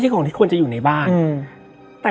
และวันนี้แขกรับเชิญที่จะมาเชิญที่เรา